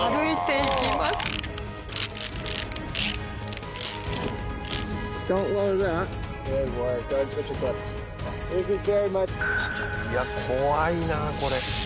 いや怖いなこれ。